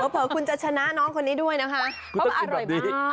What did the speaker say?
เผอคุณจะชนะน้องคนนี้ด้วยนะคะ